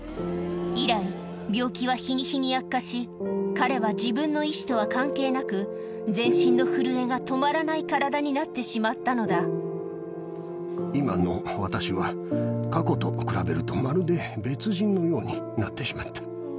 以来、病気は日に日に悪化し、彼は自分の意思とは関係なく、全身の震えが止まらない体になっ今の私は、過去と比べるとまるで別人のようになってしまった。